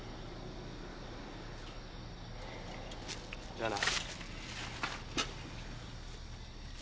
じゃあな。